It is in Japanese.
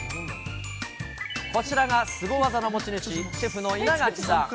こちらがすご技の持ち主、シェフの稲垣さん。